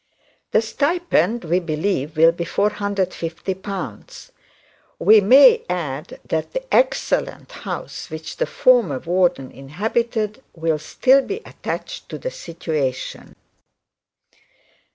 The stipend we believe will be L 450. We may add that the excellent house which the former warden inhabited will still be attached to the situation.